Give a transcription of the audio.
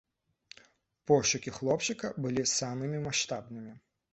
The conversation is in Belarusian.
Пошукі хлопчыка былі самымі маштабнымі.